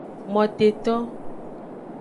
Moteto.